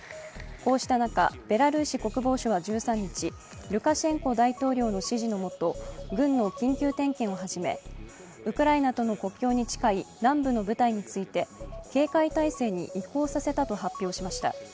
こうした中、ベラルーシ国防省は１３日、ルカシェンコ大統領の指示のもと軍の緊急点検を始め、ウクライナとの国境に近い南部の部隊について警戒態勢に移行させたと発表しました。